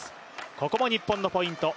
ここも日本のポイント。